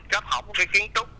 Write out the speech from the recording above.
cấp học kiến trúc